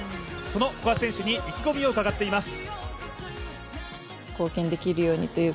その古賀選手に意気込みを伺っています。